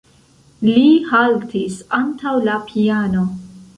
Li haltis antaŭ la piano.